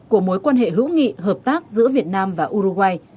của mối quan hệ hữu nghị hợp tác giữa việt nam và uruguay